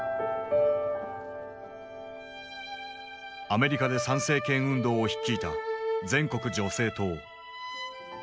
アメリカで参政権運動を率いた全国女性党。